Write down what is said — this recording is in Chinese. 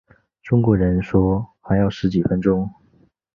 中国人说还要十几分钟